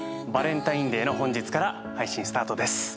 バレンタインデーの本日から配信スタートです。